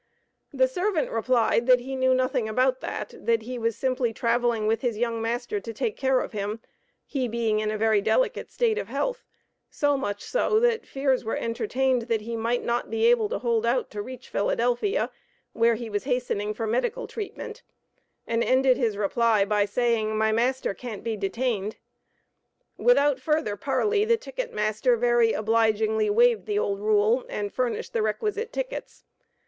The servant replied, that he knew "nothing about that" that he was "simply traveling with his young master to take care of him he being in a very delicate state of health, so much so, that fears were entertained that he might not be able to hold out to reach Philadelphia, where he was hastening for medical treatment," and ended his reply by saying, "my master can't be detained." Without further parley, the ticket master very obligingly waived the old "rule," and furnished the requisite tickets.